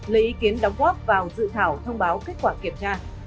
lấy ý kiến đóng góp vào dự thảo thông báo kết quả kiểm tra